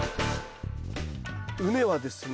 畝はですね